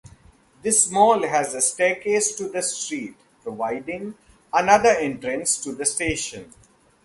This mall has a staircase to the street, providing another entrance to the station.